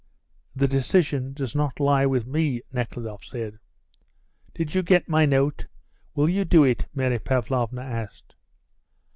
"The decision does not lie with me," Nekhludoff said. "Did you get my note? Will you do it?" Mary Pavlovna asked.